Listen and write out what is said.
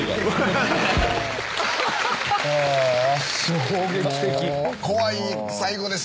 衝撃的。